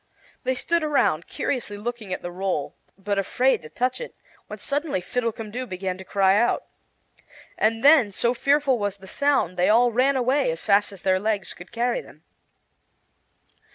They stood around, curiously looking at the roll, but afraid to touch it, when suddenly Fiddlecumdoo began to cry out. And then, so fearful was the sound, they all ran away as fast as their legs could carry them.